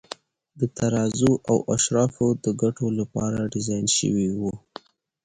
د تزار او اشرافو د ګټو لپاره ډیزاین شوي وو.